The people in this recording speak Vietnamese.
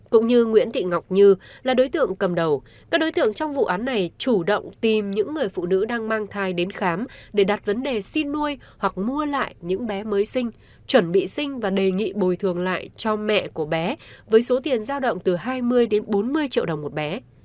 cũng như nguyễn thị ngọc như là đối tượng cầm đầu các đối tượng trong vụ án này chủ động tìm những người phụ nữ đang mang thai đến khám để đặt vấn đề xin nuôi hoặc mua lại những bé mới sinh chuẩn bị sinh và đề nghị bồi thường lại cho mẹ của bé với số tiền giao động từ hai mươi đến bốn mươi triệu đồng một bé